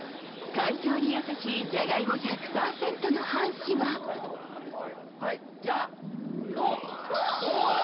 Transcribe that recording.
環境に優しいジャガイモ１００％の半紙ははいじゃあい